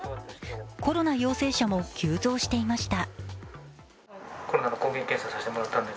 コロナ陽性者も急増していました。